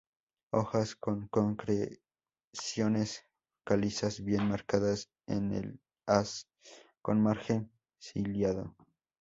Hojas con concreciones calizas bien marcadas en el haz, con margen ciliado.